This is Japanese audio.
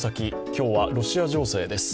今日はロシア情勢です。